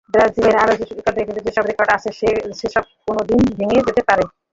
ব্রাজিলের আরও যেসব রেকর্ড আছে, সেসব কোনো দিন ভেঙেও যেতে পারে।